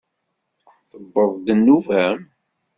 Tewweḍ-d nnuba-m?